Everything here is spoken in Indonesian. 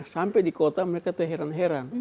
sampai di kota mereka terheran heran